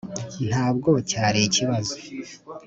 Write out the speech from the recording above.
ntabwo cyari ikibazo.